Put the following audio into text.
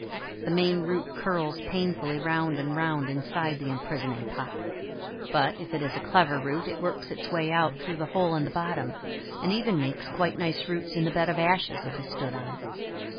The main root curls painfully round and round inside the imprisoning pot, but if it is a clever root it works its way out through the hole in the bottom, and even makes quite nice roots in the bed of ashes it has stood on.